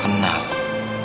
kita ini sudah lama kenal